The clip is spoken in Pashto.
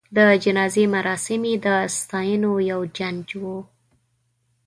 د جنازې مراسم یې د ستاینو یو جنج و.